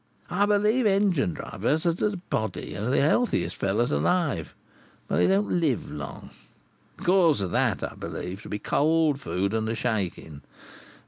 "I believe engine drivers, as a body, are the healthiest fellows alive; but they don't live long. The cause of that, I believe to be the cold food, and the shaking.